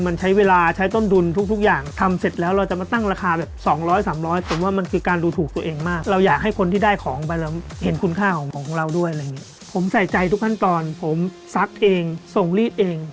มันใช้เวลาใช้ต้นดุลทุกอย่าง